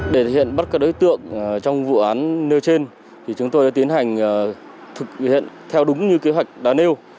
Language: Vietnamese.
để thực hiện bắt các đối tượng trong vụ án nêu trên thì chúng tôi đã tiến hành thực hiện theo đúng như kế hoạch đã nêu